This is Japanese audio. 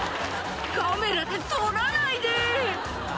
「カメラで撮らないで！」